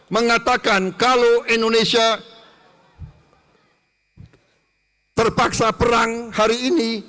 mengatakan kalau indonesia terpaksa perang hari ini